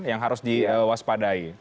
yang harus diwaspadai